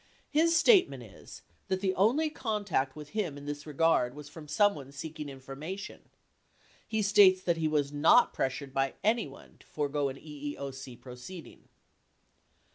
His statement is that the only contact with him in this regard was from someone seeking information. He states that he was not pres sured by anyone to forego an EEOC proceeding.